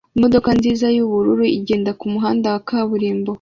Imodoka nziza yubururu igenda kumuhanda wa kaburimbo